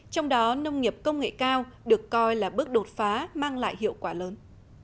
trong đó nông nghiệp công nghệ cao được coi là bước đột phá mang lại hiệu quả lớn